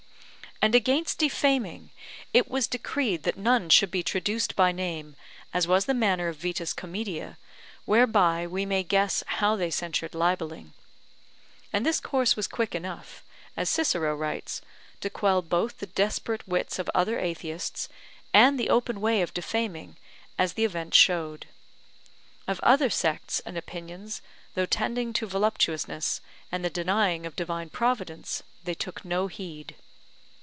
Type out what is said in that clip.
And against defaming, it was decreed that none should be traduced by name, as was the manner of Vetus Comoedia, whereby we may guess how they censured libelling. And this course was quick enough, as Cicero writes, to quell both the desperate wits of other atheists, and the open way of defaming, as the event showed. Of other sects and opinions, though tending to voluptuousness, and the denying of divine Providence, they took no heed.